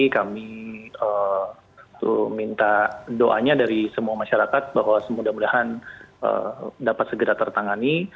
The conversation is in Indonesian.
kami minta doanya dari semua masyarakat bahwa semudah mudahan dapat segera tertangani